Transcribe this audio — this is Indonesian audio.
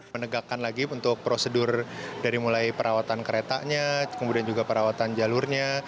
menegakkan lagi untuk prosedur dari mulai perawatan keretanya kemudian juga perawatan jalurnya